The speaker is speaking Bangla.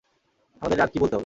আমাদের আর কী বলতে হবে?